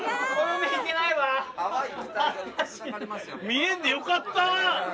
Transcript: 見えんでよかった！